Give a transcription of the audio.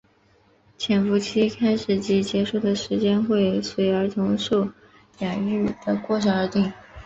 潜伏期开始及结束的时间会随儿童受养育的过程而定。